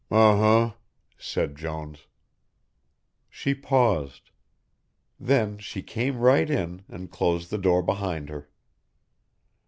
"Um um," said Jones. She paused. Then she came right in and closed the door behind her.